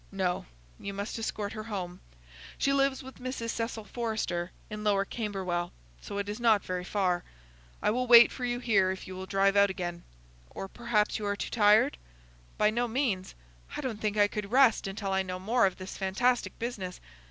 "No. You must escort her home. She lives with Mrs. Cecil Forrester, in Lower Camberwell: so it is not very far. I will wait for you here if you will drive out again. Or perhaps you are too tired?" "By no means. I don't think I could rest until I know more of this fantastic business.